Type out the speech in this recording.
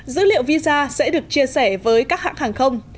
dữ liệu visa sẽ được chia sẻ với các hãng hàng không